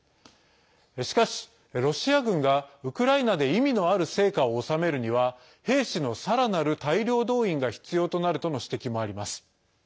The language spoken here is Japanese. しかし、ロシア軍がウクライナで意味のある成果を収めるには兵士のさらなる大量動員が必要となるとの指摘もあります。